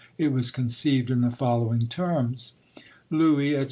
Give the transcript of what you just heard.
It was conceived in the following terms: LOUIS, etc.